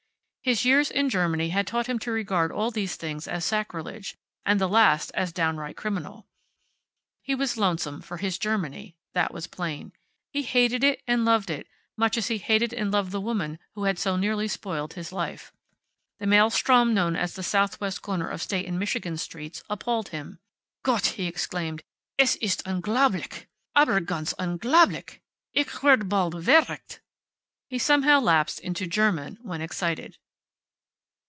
His years in Germany had taught him to regard all these things as sacrilege, and the last as downright criminal. He was lonesome for his Germany. That was plain. He hated it, and loved it, much as he hated and loved the woman who had so nearly spoiled his life. The maelstrom known as the southwest corner of State and Madison streets appalled him. "Gott!" he exclaimed. "Es ist unglaublich! Aber ganz unglaublich! Ich werde bald veruckt." He somehow lapsed into German when excited.